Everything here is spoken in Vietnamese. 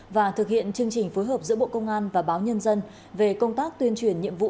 và thực hiện chương trình phối hợp giữa bộ công an và báo nhân dân về công tác tuyên truyền nhiệm vụ